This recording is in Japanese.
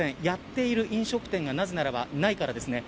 やっている飲食店がなぜならば、ないからです。